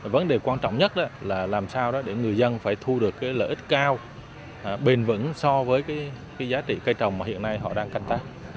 vấn đề quan trọng nhất là làm sao đó để người dân phải thu được lợi ích cao bền vững so với giá trị cây trồng mà hiện nay họ đang canh tác